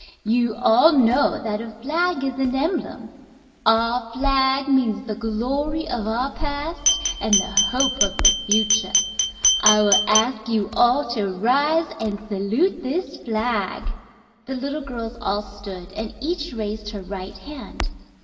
You all know that a flag is an emblem. Our flag means the glory of our past and the hope of the future. I will ask you all to rise and salute this flag!" The little girls all stood, and each raised her right hand.